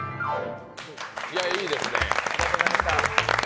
いや、いいですね。